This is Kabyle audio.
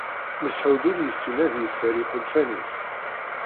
Mesεud ur yessin ad yeffer iḥulfan-is.